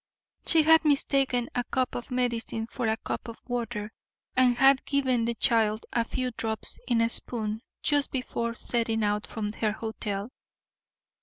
She had mistaken a cup of medicine for a cup of water and had given the child a few drops in a spoon just before setting out from her hotel.